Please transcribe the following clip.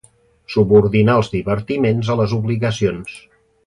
Subordinar els divertiments a les obligacions.